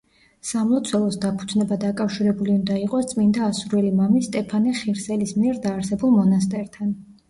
სამლოცველოს დაფუძნება დაკავშირებული უნდა იყოს წმინდა ასურელი მამის სტეფანე ხირსელის მიერ დაარსებულ მონასტერთან.